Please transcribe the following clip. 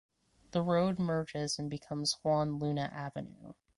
The road merges and becomes Juan Luna Avenue.